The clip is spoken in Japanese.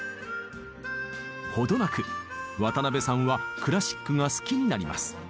程なく渡辺さんはクラシックが好きになります。